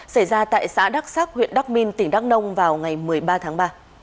xảy ra tại xã đắk sắc huyện đắk minh tỉnh đắk nông vào ngày một mươi ba tháng ba